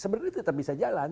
sebenarnya tetap bisa jalan